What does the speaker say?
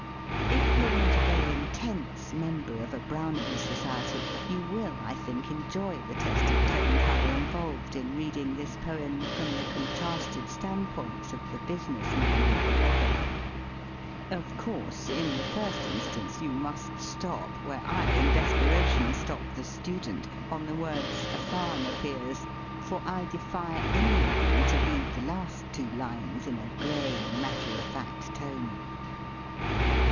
If you are not a very "intense" member of a Browning society you will, I think, enjoy the test of tone color involved in reading this poem from the contrasted standpoints of the business man and the lover. Of course, in the first instance you must stop where I, in des peration, stopped the student on the words, " a farm appears .'' For I defy any one to read the last two lines in a gray, matter of fact tone.